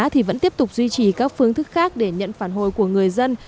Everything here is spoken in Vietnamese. thì vẫn tiếp tục duy trì các phương thức khác để nhận phản hồi của người dân